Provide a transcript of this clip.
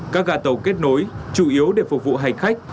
các gà tàu kết nối chủ yếu để phục vụ hành khách